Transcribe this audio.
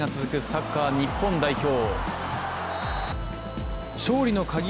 サッカー日本代表